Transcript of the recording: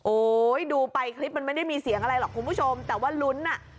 ดูไปคลิปมันไม่ได้มีเสียงอะไรหรอกคุณผู้ชมแต่ว่าลุ้นอ่ะ